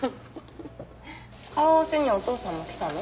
顔合わせにはお父さんも来たの？